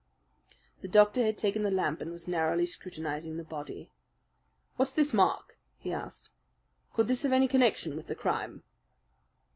The doctor had taken the lamp and was narrowly scrutinizing the body. "What's this mark?" he asked. "Could this have any connection with the crime?"